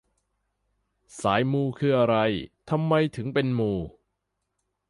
สายมูคืออะไร ทำไมถึงเป็นมู